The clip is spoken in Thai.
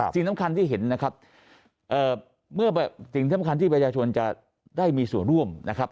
สิ่งสำคัญที่เห็นนะครับเมื่อสิ่งสำคัญที่ประชาชนจะได้มีส่วนร่วมนะครับ